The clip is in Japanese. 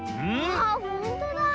あっほんとだ！